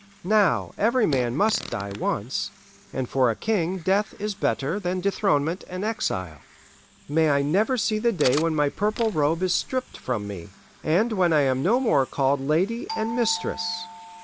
Now every man must die once, and for a king death is better than dethronement and exile. May I never see the day when my purple robe is stripped from me, and when I am no more called Lady and Mistress!